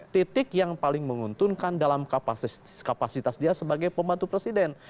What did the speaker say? titik yang paling menguntungkan dalam kapasitas dia sebagai pembantu presiden